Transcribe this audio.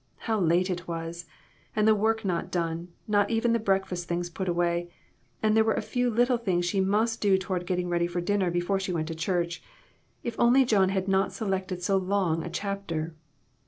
How late it was! And the work not done not even the breakfast things put away ; and there were a few little things she must do toward getting ready for dinner before she went to church. If only John had not selected so long a chapter!